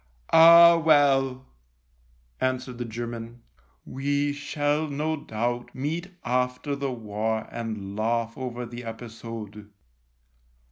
" Ah, well," answered the German, " we shall no doubt meet after the war and laugh over the episode.